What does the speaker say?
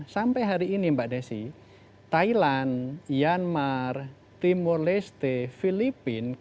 sampai hari ini mbak desi thailand myanmar timur leste filipina